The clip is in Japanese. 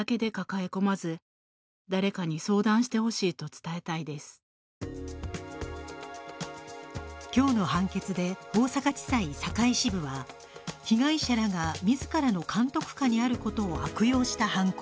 別の保護者も今日の判決で大阪地裁堺支部は、被害者らが自らの監督下にあることを悪用した犯行、